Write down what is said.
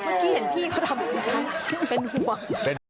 เมื่อกี้เห็นพี่เขาทำแบบนี้ฉันเป็นห่วง